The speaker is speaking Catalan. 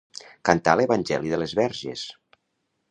Cantar l'evangeli de les Verges.